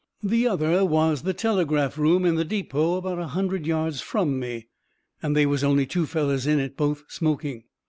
The other was the telegraph room in the depot about a hundred yards from me, and they was only two fellers in it, both smoking.